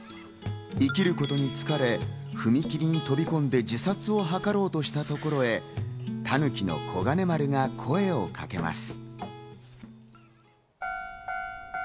生きることに疲れ、踏み切りに飛び込んで自殺をはかろうとしたところへタヌキのこがね丸が声をかけます。